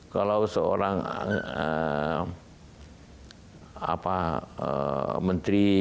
kalau seorang menteri